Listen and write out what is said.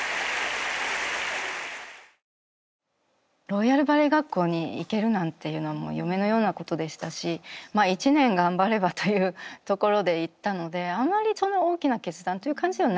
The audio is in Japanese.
ロイヤル・バレエ学校に行けるなんていうのはもう夢のようなことでしたしまあ１年頑張ればというところで行ったのであまり大きな決断という感じではなかったですね。